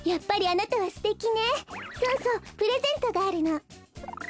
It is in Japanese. そうそうプレゼントがあるの。